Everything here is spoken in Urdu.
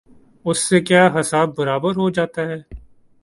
اس سے کیا حساب برابر ہو جاتا ہے؟